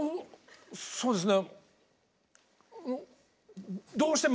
そうですね